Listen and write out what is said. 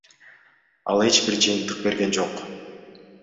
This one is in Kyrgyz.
Ал эч бир жыйынтык берген жок.